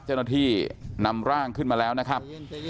เจ้าหน้าที่นำร่างขึ้นมาแล้วนะครับ